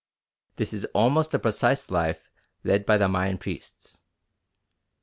This is almost the precise life led by the Mayan priests.